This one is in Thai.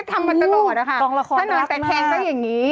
ถ้านอนแต่แคนงก็อย่างนี้